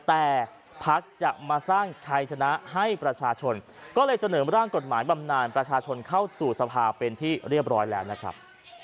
แต่พักจะมาสร้างชัยชนะให้ประชาชนก็เลยเสนอร่างกฎหมายบำนานประชาชนเข้าสู่สภาเป็นที่เรียบร้อยแล้วนะครับ